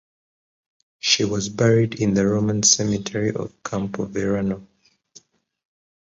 She was buried in the Roman cemetery of Campo Verano.